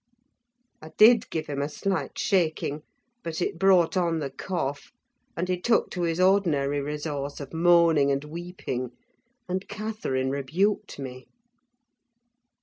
I did give him a slight shaking; but it brought on the cough, and he took to his ordinary resource of moaning and weeping, and Catherine rebuked me.